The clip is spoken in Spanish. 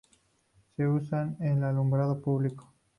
Se usan en alumbrado público.